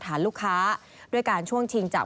ลูกค้าด้วยการช่วงชิงจับ